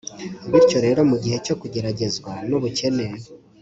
Bityo rero mu gihe cyo kugeragezwa nubukene